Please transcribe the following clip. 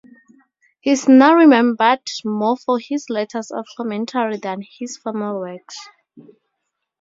He is now remembered more for his letters of commentary than his formal works.